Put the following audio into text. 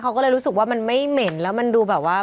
เขาก็เลยรู้สึกว่ามันไม่เหม็นแล้วมันดูแบบว่า